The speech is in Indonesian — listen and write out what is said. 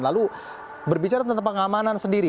lalu berbicara tentang pengamanan sendiri